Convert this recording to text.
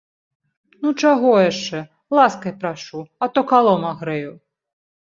Ну, чаго яшчэ, ласкай прашу, а то калом агрэю.